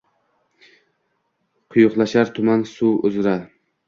Quyuqlashar tuman suv uzra.